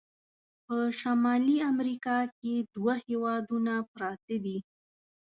په شمالي امریکا کې دوه هیوادونه پراته دي.